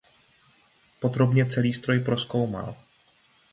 Podrobně celý stroj prozkoumal.